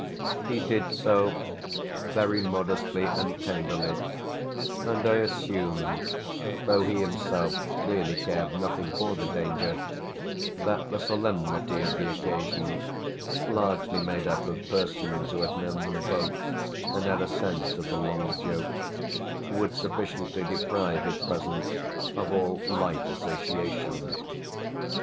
He did so, very modestly and tenderly, and I assumed, though he himself clearly cared nothing for the danger, that the solemnity of the occasion, largely made up of persons who had known them both and had a sense of the long joke, would sufficiently deprive his presence of all light association.